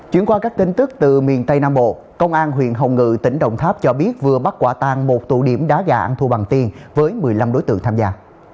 chuyển qua các tin tức từ miền tây nam bộ công an huyện hồng ngự tỉnh đồng tháp cho biết vừa bắt quả tan một tụ điểm đá gà ăn thua bằng tiền với một mươi năm đối tượng tham gia